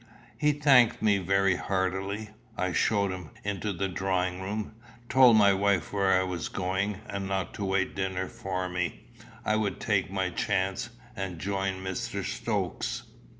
He thanked me very heartily. I showed him into the drawing room, told my wife where I was going, and not to wait dinner for me I would take my chance and joined Mr. Stokes.